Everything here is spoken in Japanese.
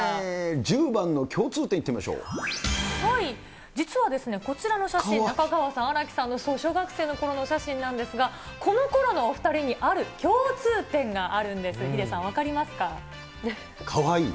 １０番の共通点、いってみま実はこちらの写真、中川さん、新木さんの小学生のころのお写真なんですが、このころのお２人に、ある共通点があるんです、かわいい。